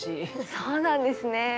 そうなんですね。